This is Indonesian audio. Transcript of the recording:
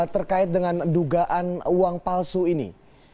terkait dengan dugaan uang palsu ini